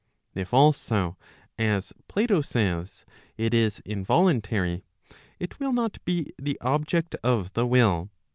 If also, as Plato says, it is involuntary, it will not be the object of the will.